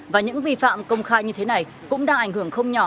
và những vi phạm công khai như thế này cũng đã ảnh hưởng không nhỏ